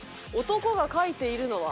男がかいているのは？